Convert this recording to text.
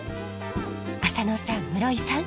浅野さん室井さん